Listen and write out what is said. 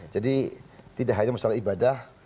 jadi tidak hanya masalah ibadah